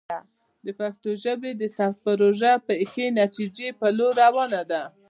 د پښتو ژبې د ثبت پروسه د ښې نتیجې په لور روانه ده.